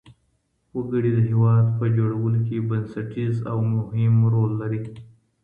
وګړي د هېواد په جوړولو کي بنسټيز او مهم رول لري.